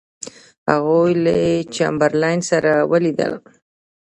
هغوی له چمبرلاین سره ولیدل.